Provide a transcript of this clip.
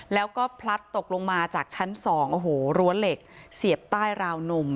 แล้วก็พลัดตกลงมาจากชั้นสองโอ้โหรั้วเหล็กเสียบใต้ราวนม